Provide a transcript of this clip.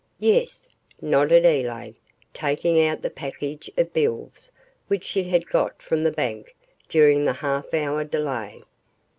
"Yes," nodded Elaine, taking out the package of bills which she had got from the bank during the half hour delay.